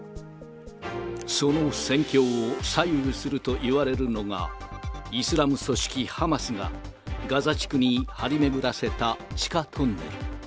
その戦況を左右するといわれるのが、イスラム組織ハマスが、ガザ地区に張り巡らせた地下トンネル。